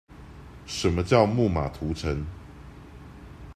什麼叫木馬屠城